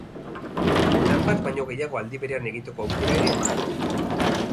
Lan bat baino gehiago aldi berean egiteko aukera ere emango du.